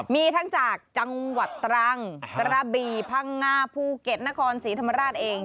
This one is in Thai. มีทั้งจากจังหวัดตรังกระบี่พังงาภูเก็ตนครศรีธรรมราชเอง